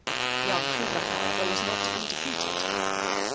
Young Cooper, however, was not to be defeated.